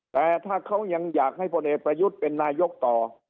แต่ถ้าเขายังอยากให้พลเอกประยุทธ์เป็นนายกต่อ